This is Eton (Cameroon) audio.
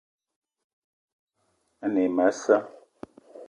Ane e ma a sa'a